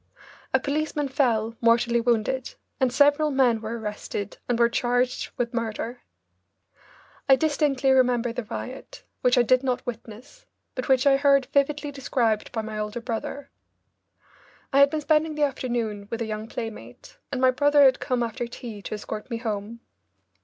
A policeman fell, mortally wounded, and several men were arrested and were charged with murder. I distinctly remember the riot, which I did not witness, but which I heard vividly described by my older brother. I had been spending the afternoon with a young playmate, and my brother had come after tea to escort me home.